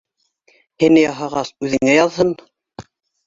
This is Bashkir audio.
Һине яһағас, үҙеңә яҙһын.